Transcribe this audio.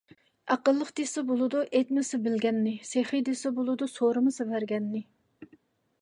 ئەقىللىق دېسە بولىدۇ، ئېيتمىسا بىلگەننى؛ سېخىي دېسە بولىدۇ، سورىمىسا بەرگەننى.